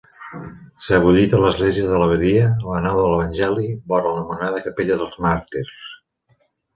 Sebollit a l'església de l'abadia, a la nau de l'Evangeli, vora l'anomenada capella dels Màrtirs.